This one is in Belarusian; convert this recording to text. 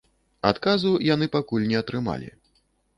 Адказу яны пакуль не атрымалі.